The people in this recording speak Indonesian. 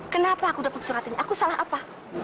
kenapa aku dapat surat ini aku salah apa